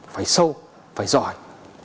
phải sâu phải giỏi